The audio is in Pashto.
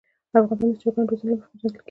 افغانستان د چرګانو د روزنې له مخې پېژندل کېږي.